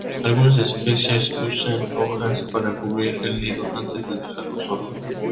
Algunas especies usan hojas para cubrir el nido antes de dejarlo solo.